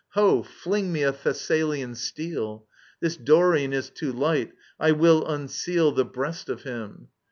— Ho, fling me a Thessalian steel I This Dorian is too light I will unsesd The breast of him."